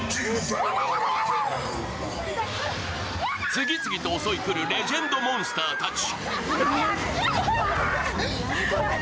次々と襲いくるレジェンドモンスターたち。